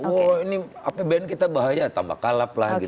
wah ini apbn kita bahaya tambah kalap lah gitu